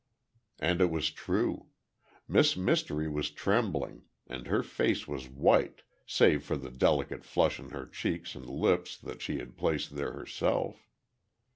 And it was true. Miss Mystery was trembling, and her face was white, save for the delicate flush on her cheeks and lips that she had placed there herself.